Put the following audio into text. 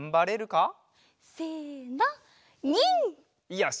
よし！